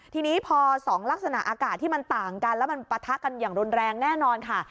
ทีนี้พอ๒ลักษณะอากาศที่มันต่างกันแล้วมันปะทะกันอย่างรุนแรงแน่นอนค่ะ